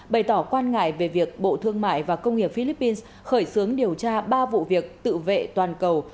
bày tỏ quan ngại về việc bộ thương mại và công nghiệp philippines khởi xướng điều tra ba vụ việc tự vệ toàn cầu